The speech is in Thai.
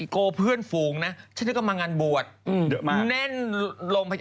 โก้เพื่อนฟูงนะฉันนึกว่ามังงานบวช